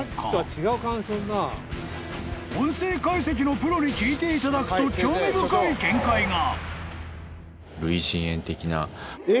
［音声解析のプロに聞いていただくと興味深い見解が］